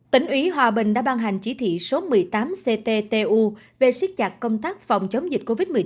tỉnh ủy hòa bình đã ban hành chỉ thị số một mươi tám cttu về siết chặt công tác phòng chống dịch covid một mươi chín